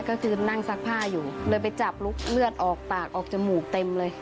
ก็คือนั่งซักผ้าอยู่เลยไปจับลุกเลือดออกปากออกจมูกเต็มเลย